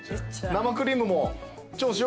生クリームも。